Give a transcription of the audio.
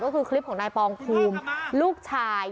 ก็คือคลิปของนายปองภูมิลูกชาย